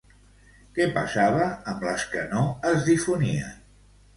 Què passava amb les que no es difonien?